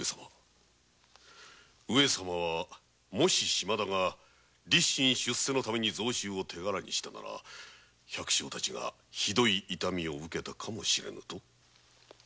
上様は島田が立身出世のタメに増収を手柄にしたなら百姓たちはひどい痛みを受けたかも知れぬと？